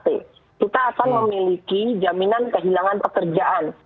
kita akan memiliki jaminan kehilangan pekerjaan